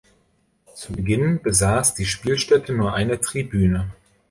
Zu Beginn besaß die Spielstätte nur eine Tribüne.